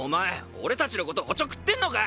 俺達のことおちょくってんのか？